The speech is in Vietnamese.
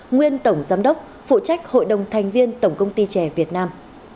nguyên tổng giám đốc phụ trách hội đồng thành viên tổng công ty trẻ việt nam